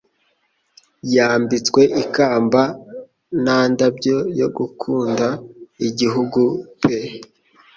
Yambitswe ikamba nta ndabyo yo gukunda igihugu pe